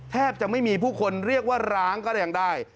แทบจะไม่มีผู้คนเรียกว่าร้างก็ยังได้